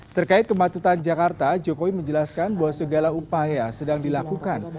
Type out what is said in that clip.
terkait kemacetan jakarta jokowi menjelaskan bahwa segala upaya sedang dilakukan